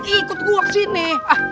ikut gua kesini